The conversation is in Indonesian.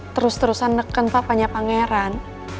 terus terusan neken papanya pangeran